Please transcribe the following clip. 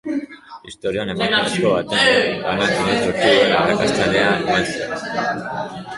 Historian emakumezko baten lehen lanak inoiz lortu duen arrakasta handiena eman zion.